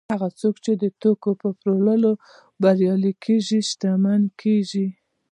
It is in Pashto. هغه څوک چې د توکو په پلورلو بریالي کېږي شتمن کېږي